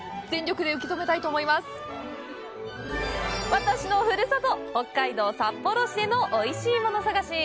私の故郷、北海道・札幌市でのおいしいもの探し。